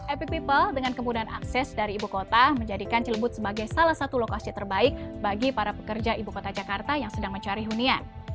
epic people dengan kemudahan akses dari ibu kota menjadikan cilebut sebagai salah satu lokasi terbaik bagi para pekerja ibu kota jakarta yang sedang mencari hunian